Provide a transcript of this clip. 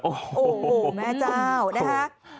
โอ้โหแม่เจ้านะคะ